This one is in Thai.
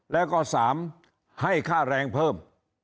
แล้วก็๓ให้ค่าแรงเพิ่ม